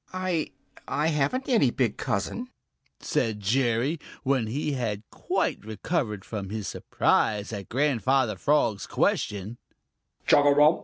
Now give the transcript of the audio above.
"I I haven't any big cousin," said Jerry, when he had quite recovered from his surprise at Grandfather Frog's question.